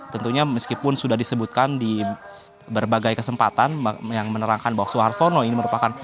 tentunya meskipun sudah disebutkan di berbagai kesempatan yang menerangkan bahwa suhartono ini merupakan